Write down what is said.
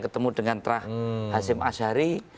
ketemu dengan tra hasim azhari